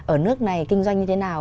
ở nước này kinh doanh như thế nào